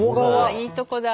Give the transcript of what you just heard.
いいとこだ。